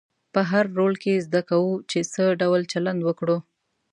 په هر رول کې زده کوو چې څه ډول چلند وکړو.